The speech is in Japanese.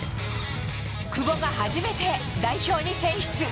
久保が初めて代表に選出。